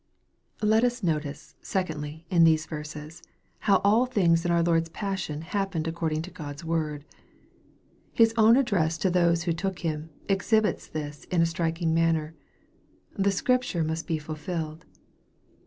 Let us notice, secondly, in these verses, how all things in our Lord's passion happened according to God's word. His own address to those who took Him, exhibits this in a striking manner :" the Scripture must be fulfilled."